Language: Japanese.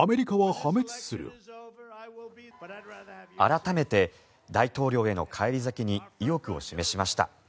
改めて大統領への返り咲きに意欲を示しました。